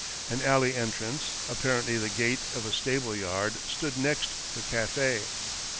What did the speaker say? An alley entrance — apparently the gate of a stable yard — stood next the cafe.